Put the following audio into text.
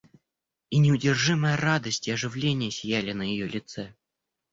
И неудержимая радость и оживление сияли на ее лице.